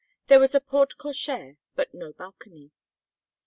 There was a porte cochère but no balcony.